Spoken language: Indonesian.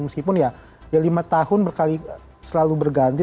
meskipun ya lima tahun berkali selalu berganti